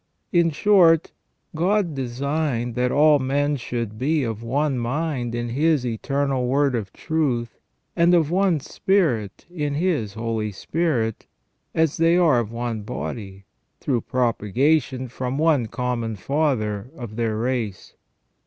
In short, God designed that all men should be of one mind in His Eternal Word of Truth, and of one spirit in His Holy Spirit, as they are of one body, through propagation from one common father of their race.